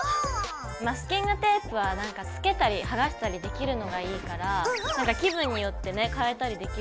マスキングテープはつけたり剥がしたりできるのがいいから気分によってね変えたりできるよね。